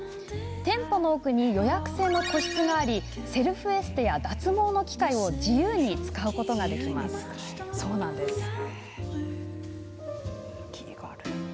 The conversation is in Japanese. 店舗の奥に予約制の個室がありセルフエステや脱毛の機械を自由に使うことができます。